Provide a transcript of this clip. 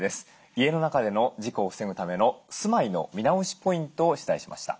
家の中での事故を防ぐための住まいの見直しポイントを取材しました。